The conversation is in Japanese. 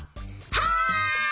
はい！